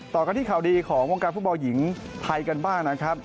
ต่อกันที่ข่าวดีของวงการฟุตบอลหญิงไทยกันบ้างนะครับ